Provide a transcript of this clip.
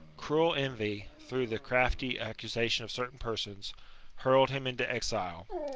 Cruel envy, through the crafty accusation of certain persons, hurled him into exile.